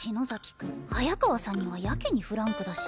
くん早川さんにはやけにフランクだし。